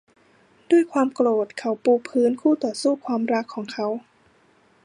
ด้วยความโกรธเขาปูพื้นคู่ต่อสู้ความรักของเขา